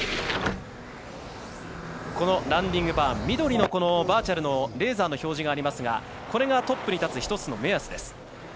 ランディングバーン緑のバーチャルのレーザーの表示がありますがこれがトップに立つ１つの目安です。